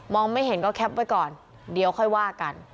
ไม่เห็นก็แคปไว้ก่อนเดี๋ยวค่อยว่ากัน